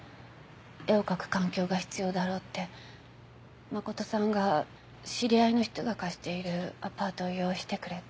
絵を描く環境が必要だろうって誠さんが知り合いの人が貸しているアパートを用意してくれて。